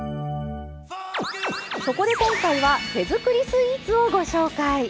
そこで今回は手づくりスイーツをご紹介！